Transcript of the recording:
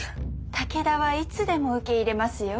武田はいつでも受け入れますよ。